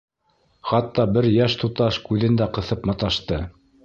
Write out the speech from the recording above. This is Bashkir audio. Хатта бер йәш туташ күҙен дә ҡыҫып маташты.